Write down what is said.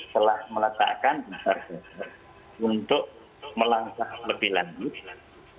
telah meletakkan besar besar untuk melangkah lebih lanjut